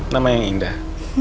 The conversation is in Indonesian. nama yang indah